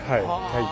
はい。